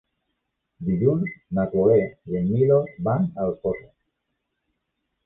Dilluns na Cloè i en Milos van a Alcosser.